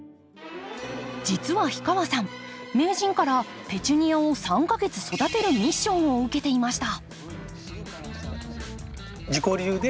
実は氷川さん名人からペチュニアを３か月育てるミッションを受けていました。